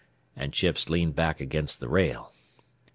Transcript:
And Chips leaned back against the rail.